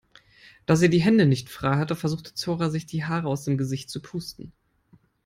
Da sie die Hände nicht frei hatte, versuchte Zora sich die Haare aus dem Gesicht zu pusten.